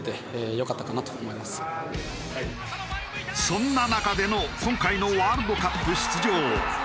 そんな中での今回のワールドカップ出場。